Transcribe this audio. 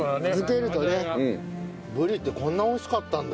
ブリってこんな美味しかったんだ。